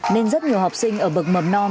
nên rất nhiều học sinh ở bậc mầm non